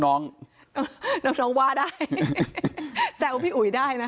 น้องน้องว่าได้แซวพี่อุ๋ยได้นะ